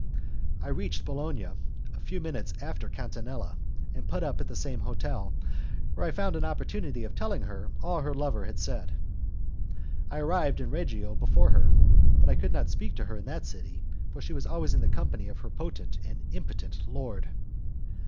I reached Bologna a few minutes after Catinella, and put up at the same hotel, where I found an opportunity of telling her all her lover had said. I arrived in Reggio before her, but I could not speak to her in that city, for she was always in the company of her potent and impotent lord.